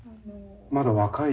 まだ若い。